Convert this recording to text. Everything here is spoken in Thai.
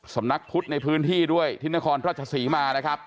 สำนักพุทธในพื้นที่ด้วยที่นครราชศรีมานะครับ